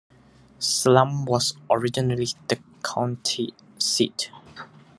Salem was originally the county seat.